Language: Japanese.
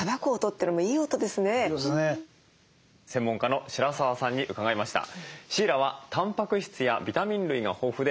専門家の白澤さんに伺いました。